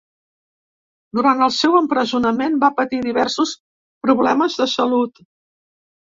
Durant el seu empresonament va patir diversos problemes de salut.